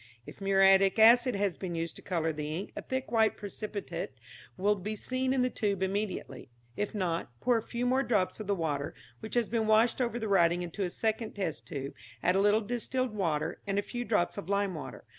If muriatic acid has been used to colour the ink, a thick white precipitate will be seen in the tube immediately. If not, pour a few more drops of the water which has been washed over the writing into a second test tube, add a little distilled water and a few drops of lime water.